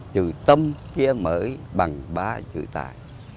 từ tâm kia mới bằng ba chữ tài